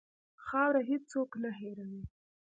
خاوره هېڅ څوک نه هېروي.